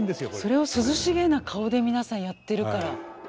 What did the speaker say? それを涼しげな顔で皆さんやってるから。